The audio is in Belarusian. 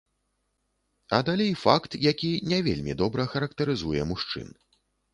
А далей факт, які не вельмі добра характарызуе мужчын.